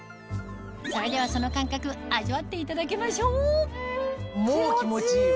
それではその感覚味わっていただきましょうもう気持ちいいわ。